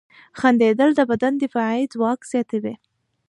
• خندېدل د بدن دفاعي ځواک زیاتوي.